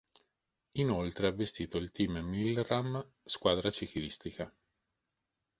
Inoltre ha vestito il Team Milram, squadra ciclistica.